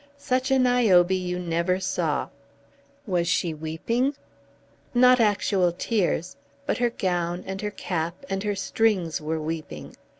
Such a Niobe you never saw." "Was she weeping?" "Not actual tears. But her gown, and her cap, and her strings were weeping.